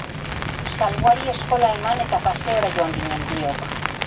Salwari eskola eman, eta paseora joan ginen biok.